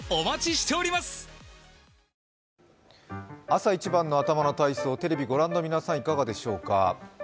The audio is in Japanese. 朝一番の頭の体操、テレビをご覧の皆さん、いかがでしょうか。